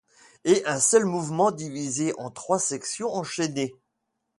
En un seul mouvement divisé en trois sections enchaînées.